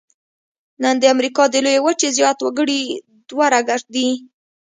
نن د امریکا د لویې وچې زیات وګړي دوه رګه دي.